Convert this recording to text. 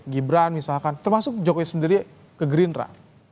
gibran misalkan termasuk jokowi sendiri ke gerindra